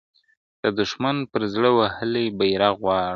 د دښمن پر زړه وهلی بیرغ غواړم -